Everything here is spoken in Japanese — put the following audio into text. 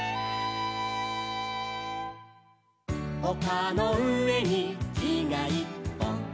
「おかのうえにきがいっぽん」